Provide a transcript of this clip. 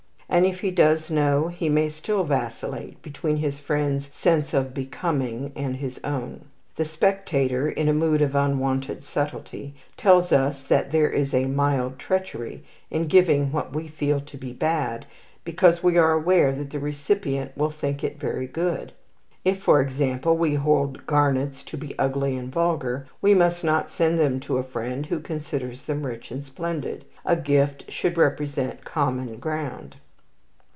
And if he does know, he may still vacillate between his friend's sense of the becoming and his own. The "Spectator," in a mood of unwonted subtlety, tells us that there is a "mild treachery" in giving what we feel to be bad, because we are aware that the recipient will think it very good. If, for example, we hold garnets to be ugly and vulgar, we must not send them to a friend who considers them rich and splendid. "A gift should represent common ground."